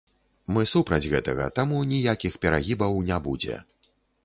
Мы супраць гэтага, таму ніякіх перагібаў не будзе.